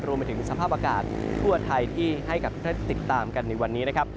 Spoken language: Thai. รวมไปถึงสภาพอากาศทั่วไทยที่ให้กับทุกท่านติดตามกันในวันนี้นะครับ